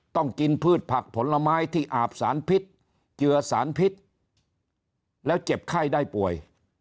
ต้องกินพืชผักผลไม้ที่อาบสารพิษเจือสารพิษแล้วเจ็บไข้ได้ป่วย